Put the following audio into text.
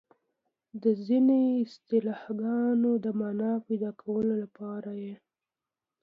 د ځینو اصطلاحګانو د مانا پيدا کولو لپاره یې